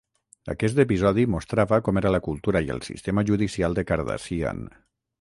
Aquest episodi mostrava com era la cultura i el sistema judicial de Cardassian.